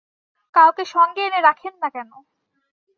কাউকে সঙ্গে এনে রাখেন না কেন?